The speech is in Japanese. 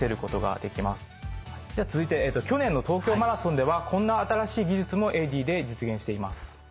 では続いて去年の東京マラソンではこんな新しい技術も「エイディ」で実現しています。